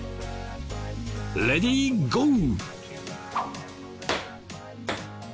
レディーゴー！